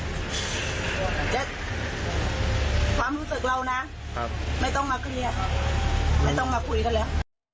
จะความรู้สึกเรานะไม่ต้องมาเคลียร์ไม่ต้องมาคุยกันแล้ว